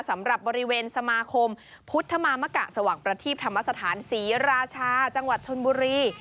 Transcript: สำหรับบริเวณสมาคมพุทธมามกะสว่างประทีปธรรมสถานศรีราชาจังหวัดชนบุรี